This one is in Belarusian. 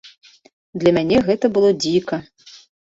Для мяне гэта было дзіка.